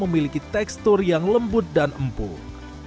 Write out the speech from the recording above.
memiliki tekstur yang lembut dan empuk